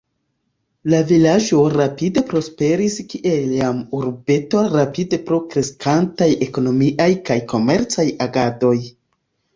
La vilaĝo rapide prosperis kiel jam urbeto rapide pro kreskantaj ekonomiaj kaj komercaj agadoj.